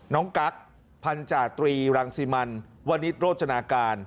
กั๊กพันธาตรีรังสิมันวนิษฐโรจนาการ